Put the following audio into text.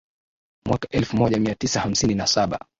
Mwaka elfu moja mia tisa hamsini na saba